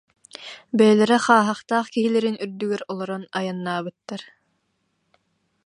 Бэйэлэрэ хааһахтаах киһилэрин үрдүгэр олорон айаннаабыттар